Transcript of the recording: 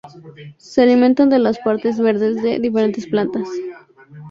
Se alimenta de las partes verdes de diferentes plantas.